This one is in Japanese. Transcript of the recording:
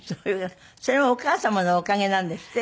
それはお母様のおかげなんですって？